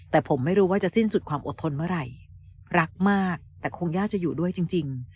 แต่ผมไม่รู้ว่าจะสิ้นสุดความอดทนเมื่อไหร่รักมากแต่คงยากจะอยู่ด้วยจริง